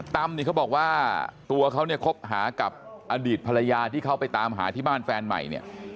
ตำนี่เขาบอกว่าตัวเขาเนี่ยคบหากับอดีตภรรยาที่เขาไปตามหาที่บ้านแฟนใหม่เนี่ย